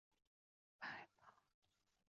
白胖的小脸睡的香沉